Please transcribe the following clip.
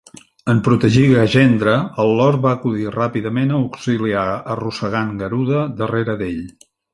En protegir Gajendhra, el lord va acudir ràpidament a auxiliar arrossegant Garuda darrere d'Ell.